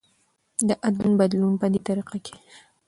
د ادلون بدلون په دې طريقه کې